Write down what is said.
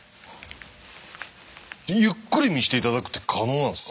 ゆっくり見せて頂くって可能なんですか？